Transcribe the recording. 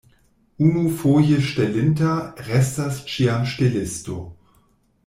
Unufoje ŝtelinta restas ĉiam ŝtelisto.